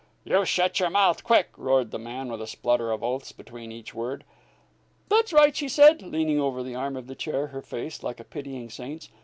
"You shet your mouth quick!" roared the man, with a splutter of oaths between each word. "That's right," she said, leaning over the arm of the chair, her face like a pitying saint's.